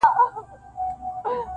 • چوپ پاته وي..